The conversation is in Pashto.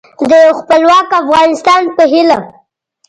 د یو خپلواک افغانستان په هیله